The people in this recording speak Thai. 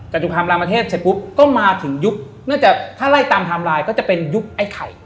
จตุคามรามเทศเสร็จปุ๊บก็มาถึงยุคน่าจะถ้าไล่ตามไทม์ไลน์ก็จะเป็นยุคไอ้ไข่